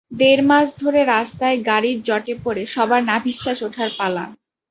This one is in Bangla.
দেড় মাস ধরে রাস্তায় গাড়ির জটে পড়ে সবার নাভিশ্বাস ওঠার পালা।